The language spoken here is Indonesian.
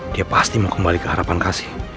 dia pasti mau kembali ke harapan kasih